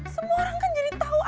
semua orang kan jadi tahu